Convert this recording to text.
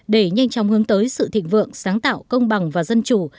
để nhanh chóng hướng tới sự thịnh vượng sáng tạo công bằng và dân chủ